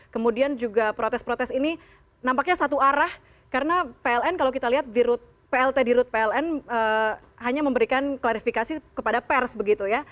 kemudian juga protes protes ini nampaknya satu arah karena pln kalau kita lihat di plt di rut pln hanya memberikan klarifikasi kepada pers begitu ya